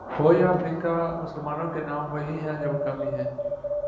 ہو یا افریقہ مسلمانوں کے نام وہی ہیں جو مقامی ہیں۔